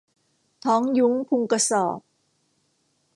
ท้องยุ้งพุงกระสอบ